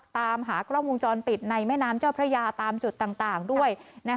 ตามหากล้องวงจรปิดในแม่น้ำเจ้าพระยาตามจุดต่างด้วย